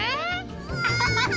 アハハハ！